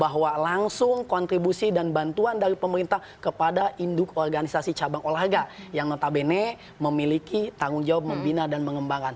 bahwa langsung kontribusi dan bantuan dari pemerintah kepada induk organisasi cabang olahraga yang notabene memiliki tanggung jawab membina dan mengembangkan